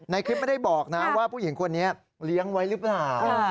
คลิปไม่ได้บอกนะว่าผู้หญิงคนนี้เลี้ยงไว้หรือเปล่า